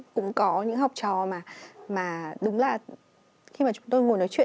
cũng có những học trò mà đúng là khi mà chúng tôi ngồi nói chuyện